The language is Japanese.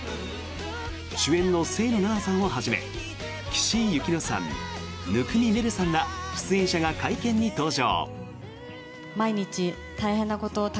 主演の清野菜名さんをはじめ岸井ゆきのさん、生見愛瑠さんら出演者が会見に登場。